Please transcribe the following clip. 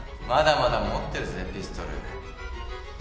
まだまだ持ってるぜピストル。